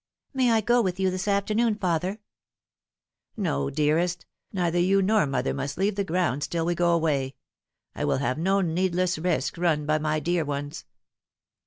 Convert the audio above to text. " May I go with you this afternoon, father ?" "No, dearest, neither you nor mother must leave the grounds till we go away. I will have no needless risks run by my dear ones."